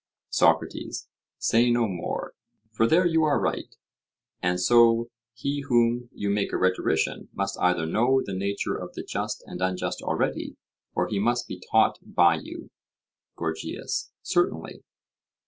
SOCRATES: Say no more, for there you are right; and so he whom you make a rhetorician must either know the nature of the just and unjust already, or he must be taught by you. GORGIAS: Certainly.